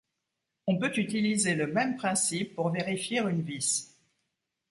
On peut utiliser le même principe pour vérifier une vis.